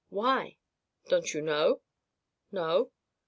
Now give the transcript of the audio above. "Why?" "Don't you know?" "No."